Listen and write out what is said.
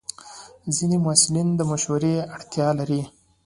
ځینې محصلین د مشورې اړتیا لري.